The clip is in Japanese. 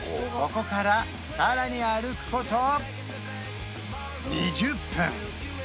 ここからさらに歩くこと２０分！